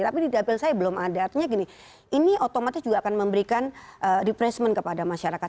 tapi di dapil saya belum ada artinya gini ini otomatis juga akan memberikan repressment kepada masyarakat